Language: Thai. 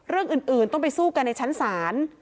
เอิ่นต้มไปสู้กันในชั้นสาร